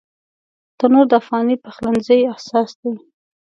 تنور د افغاني پخلنځي اساس دی